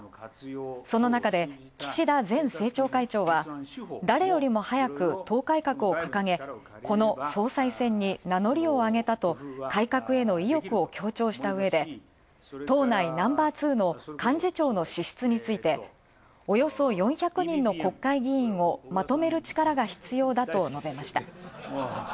そのなかで岸田前政調会長は誰よりも早く党改革を掲げ、この総裁選に名乗りを上げたと改革への意欲を強調したうえで、党内ナンバー２の幹事長の資質についておよそ４００人の国会議員をまとめる力が必要だと述べました。